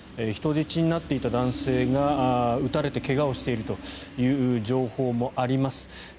人質になっていた男性が撃たれて怪我をしているという情報もあります。